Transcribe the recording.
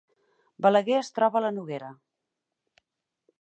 Balaguer es troba a la Noguera